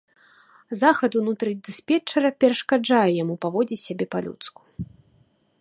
Захад унутры дыспетчара перашкаджае яму паводзіць сябе па-людску.